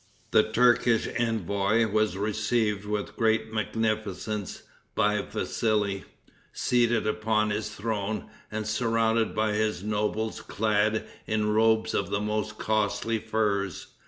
The Turkish envoy was received with great magnificence by Vassili, seated upon his throne, and surrounded by his nobles clad in robes of the most costly furs.